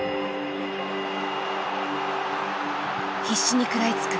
必死に食らいつく。